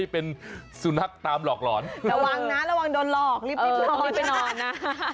เป็นสุนัขตามหลอกหลอนระวังนะระวังโดนหลอกรีบร้อนไปนอนนะ